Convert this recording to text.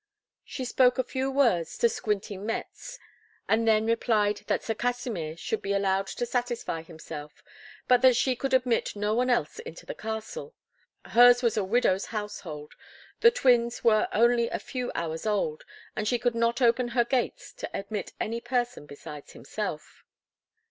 She spoke a few words to Squinting Mätz, and then replied that Sir Kasimir should be allowed to satisfy himself, but that she could admit no one else into the castle; hers was a widow's household, the twins were only a few hours old, and she could not open her gates to admit any person besides himself.